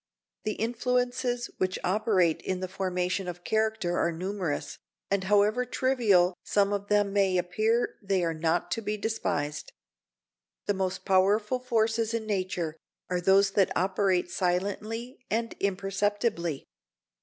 The influences which operate in the formation of character are numerous, and however trivial some of them may appear they are not to be despised. The most powerful forces in nature are those that operate silently and imperceptibly.